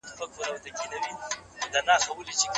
کره ژبه له ولسي ژبې بډايه وي.